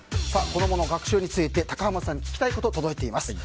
子供の学習について高濱さんに聞きたいことが届いています。